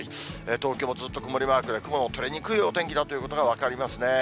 東京もずっと曇りマークで、雲の取れにくいお天気だということが分かりますね。